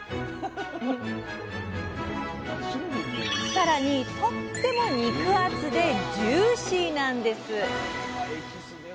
さらにとっても肉厚でジューシーなんです。